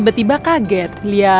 beda baik gemoy lagi